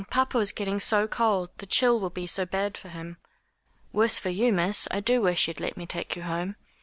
Papa is getting so cold. The chill will be so bad for him." "Worse for you, miss. I do wish you'd let me take you home."